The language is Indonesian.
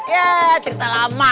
ya cerita lama